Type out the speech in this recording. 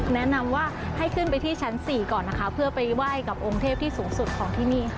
แนะนำว่าให้ขึ้นไปที่ชั้น๔ก่อนนะคะเพื่อไปไหว้กับองค์เทพที่สูงสุดของที่นี่ค่ะ